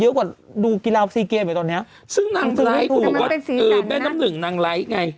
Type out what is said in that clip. เยอะกว่าดูกีราวซีเกมไว้ตอนเนี้ยซึ่งนางไลค์แม่น้ำหนึ่งนางไลค์ไง